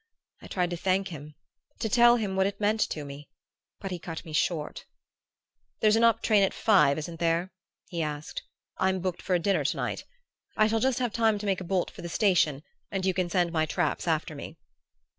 I tried to thank him, to tell him what it meant to me, but he cut me short. "'There's an up train at five, isn't there?' he asked. 'I'm booked for a dinner to night. I shall just have time to make a bolt for the station and you can send my traps after me.